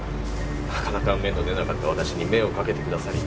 なかなか芽の出なかった私に目をかけてくださり